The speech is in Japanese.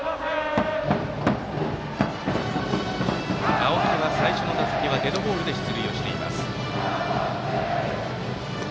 青木は最初の打席デッドボールで出塁しています。